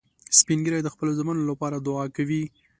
سپین ږیری د خپلو زامنو لپاره دعا کوي